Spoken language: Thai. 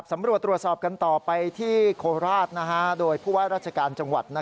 ตำรวจตรวจสอบกันต่อไปที่โคราชโดยผู้ว่าราชการจังหวัด